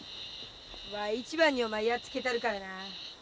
わい一番にお前やっつけたるからな。